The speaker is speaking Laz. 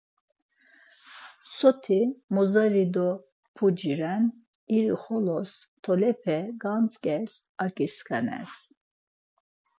Soti mozari do puci ren irixolos tolepe gantzǩes aǩisǩanes.